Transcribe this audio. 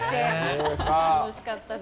楽しかったです。